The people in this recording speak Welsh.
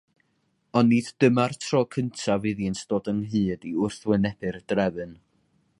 Ond nid dyma'r tro cyntaf iddynt ddod ynghyd i wrthwynebu'r drefn.